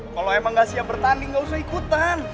kalau emang gak siap bertanding nggak usah ikutan